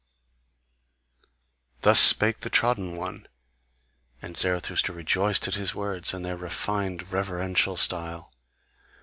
Thus spake the trodden one, and Zarathustra rejoiced at his words and their refined reverential style.